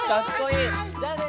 じゃあね！